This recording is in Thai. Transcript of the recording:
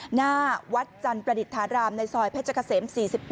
หน้าวัดจันทร์ประดิษฐารามในซอยพระเจ้าขเซม๔๘